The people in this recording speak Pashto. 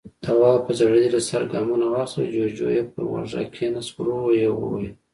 تواب په ځړېدلي سر ګامونه واخيستل، جُوجُو يې پر اوږه کېناست، ورو يې وويل: